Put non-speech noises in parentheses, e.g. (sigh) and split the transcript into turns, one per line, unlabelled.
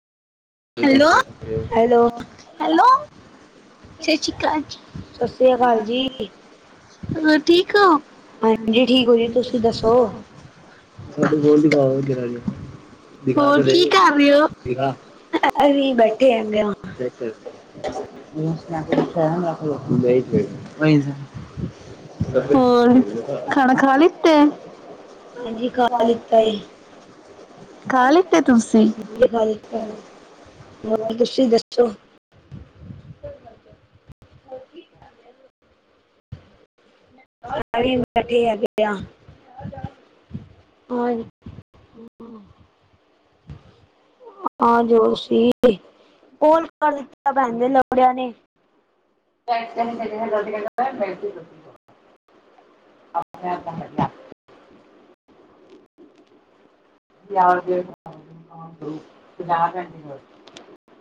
Hello,
hello
hello. ਸਸ਼ੀ ਕਾਲ ਜੀ।
ਸਤਿ ਸ੍ਰੀ ਅਕਾਲ ਜੀ
ਹੋਰ ਠੀਕ ਹੋ? (unintelligible)
ਹਾਂਜੀ ਠੀਕ ਹੋ ਜੀ ਤੁਸੀਂ ਦੱਸੋ
ਹੋਰ ਕੀ ਕਰ ਰਹੇ ਓ?
ਅਸੀਂ ਬੈਠੇ ਹੈਗੇ ਆਂ।
(unintelligible) ਹੋਰ, ਖਾਣਾ ਖਾ ਲੀਤੇ।
ਹਾਂਜੀ ਖਾ ਲਿੱਤਾ ਏ
ਖਾ ਲਿੱਤੇ ਤੁਸੀਂ
(unintelligible) ਹੋਰ ਤੁਸੀਂ ਦੱਸੋ (unintelligible) ਹੈਗੀ ਆ, ਔਰ ਹੂੰ।
(inaudible)
ਆ ਜੋ ਸੀ (unintelligible) (unintelligible) (unintelligible) (unintelligible)